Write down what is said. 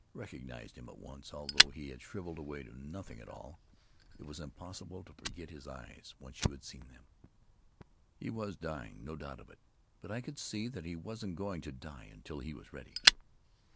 I recognized him at once, although he had shriveled away to nothing at all. It was impossible to forget his eyes, once you had seen them. He was dying — no doubt of it, but I could see that he wasn't going to die until he was ready.